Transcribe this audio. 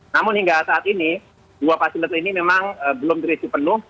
namun hingga saat ini dua fasilitas ini memang belum terisi penuh